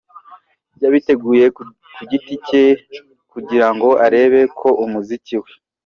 Yabiteguye ku giti cye kugira ngo arebe ko umuziki we.